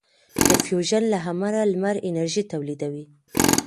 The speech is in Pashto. د فیوژن له امله لمر انرژي تولیدوي.